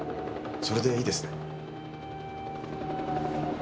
それでいいですね？